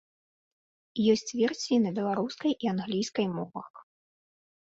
Ёсць версіі на беларускай і англійскай мовах.